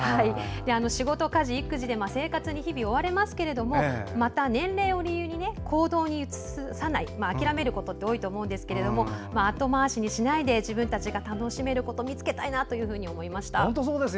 仕事、家事、育児で生活に日々追われますけれどもまた年齢を理由に行動に移さない諦めることって多いと思うんですけど後回しにしないで自分たちが楽しめることを見つけたいなと思いました。